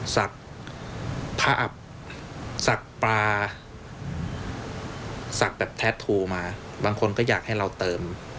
สักผ้าอับสักปลาสักแบบแท็ตทูลมาบางคนก็อยากให้เราเติม